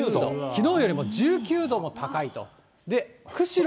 きのうよりも１９度も高いと。